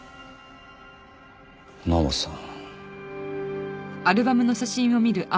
奈緒さん。